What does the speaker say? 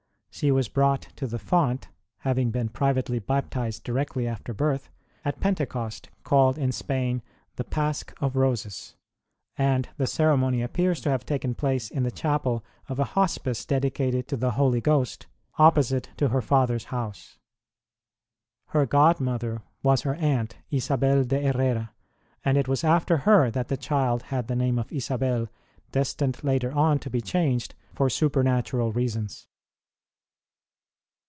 She was brought to the font (having been privately baptized directly after birth) at Pente cost, called in Spain the Pasch of Roses, and the ceremony appears to have taken place in the chapel of a hospice dedicated to the Holy Ghost, opposite to her father s house. Her godmother was her aunt, Isabel de Hercra, and it was after her that the child had the name of Isabel, destined later on to be changed for supernatural reasons.